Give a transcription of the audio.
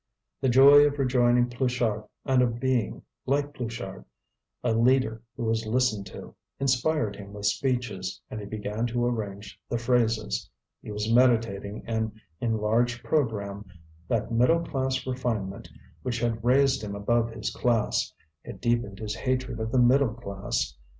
The joy of rejoining Pluchart and of being, like Pluchart, a leader who was listened to, inspired him with speeches, and he began to arrange the phrases. He was meditating an enlarged programme; that middle class refinement, which had raised him above his class, had deepened his hatred of the middle class.